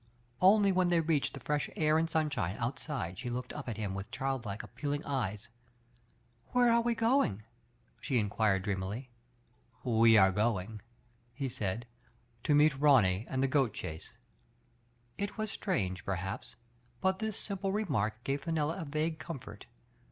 Only when they reached the fresh air and sunshine outside she looked up at him with childlike, appealing eyes. "Where are we going?'* she inquired dreamily. "We arc going/* he said, "to meet Ronny and the goat chaise.'* It was strange, perhaps, but this simple remark gave Fenella a vague comfort.